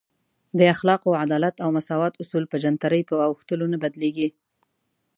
د اخلاقو، عدالت او مساوات اصول په جنترۍ په اوښتلو نه بدلیږي.